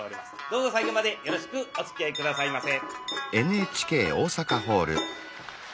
どうぞ最後までよろしくおつきあい下さいませ。